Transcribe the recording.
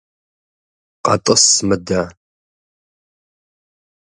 КъэтӀыс мыдэ!